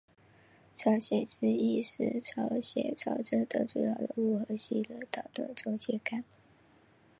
朝鲜之役时朝鲜朝政的主要人物和西人党的中坚干部。